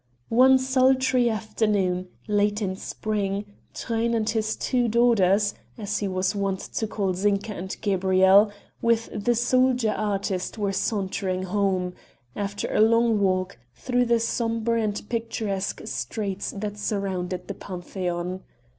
One sultry afternoon, late in spring, Truyn and his two daughters as he was wont to call Zinka and Gabrielle with the soldier artist were sauntering home, after a long walk, through the sombre and picturesque streets that surround the Pantheon.